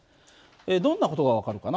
どんな事が分かるかな？